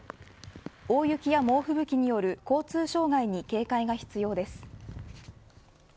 大雪や猛ふぶきによる交通障害に警戒が必要です。